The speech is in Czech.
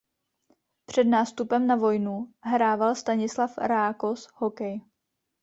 Před nástupem na vojnu hrával Stanislav Rákos hokej.